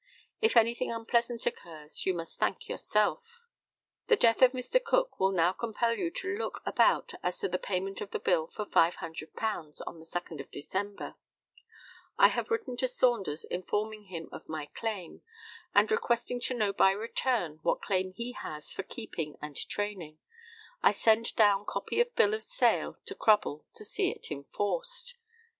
If anything unpleasant occurs you must thank yourself." "The death of Mr. Cook will now compel you to look about as to the payment of the bill for £500, on the 2d December." "I have written to Saunders, informing him of my claim, and requesting to know by return what claim he has for keep and training. I send down copy of bill of sale to Crubble to see it enforced."